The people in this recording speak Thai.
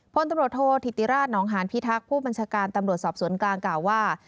พลตำรวจโทษธิติราชนองหานพิทักษ์ผู้บัญชาการตำรวจสอบสวนกลางกล่าวว่า